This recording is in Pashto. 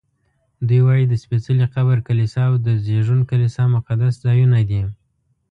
دوی وایي د سپېڅلي قبر کلیسا او د زېږون کلیسا مقدس ځایونه دي.